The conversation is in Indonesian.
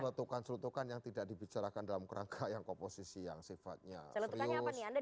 celetukan celetukan yang tidak dibicarakan dalam rangka yang komposisi yang sifatnya serius